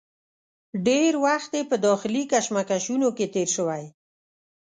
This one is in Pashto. ډېر وخت یې په داخلي کشمکشونو کې تېر شوی.